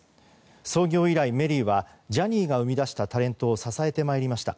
創業以来、メリーはジャニーが生み出したタレントを支えてまいりました。